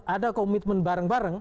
ada komitmen bareng bareng